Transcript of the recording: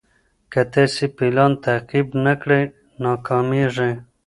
که تاسي پلان تعقيب نه کړئ، ناکامېږئ.